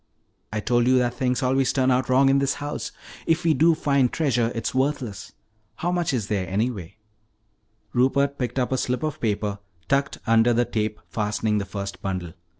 I told you that things always turn out wrong in this house. If we do find treasure, it's worthless. How much is there, anyway?" Rupert picked up a slip of paper tucked under the tape fastening the first bundle.